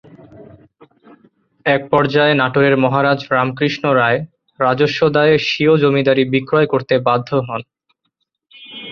এক পর্যায়ে নাটোরের মহারাজ রামকৃষ্ণ রায় রাজস্ব দায়ে স্বীয় জমিদারি বিক্রয় করতে বাধ্য হন।